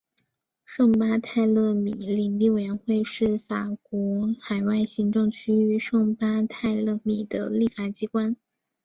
圣巴泰勒米领地委员会是法国海外行政区域圣巴泰勒米的立法机关。